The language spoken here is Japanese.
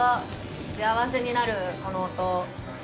幸せになる、この音。